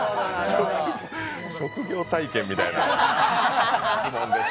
職業体験みたいな質問です。